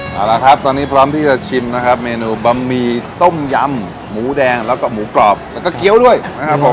เอาละครับตอนนี้พร้อมที่จะชิมนะครับเมนูบะหมี่ต้มยำหมูแดงแล้วก็หมูกรอบแล้วก็เกี้ยวด้วยนะครับผม